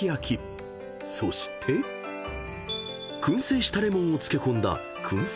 ［そして燻製したレモンを漬け込んだ］